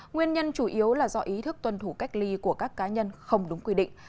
nguyên nhân chủ yếu là do ý thức tuân thủ cách ly của các cá nhân không đúng quy định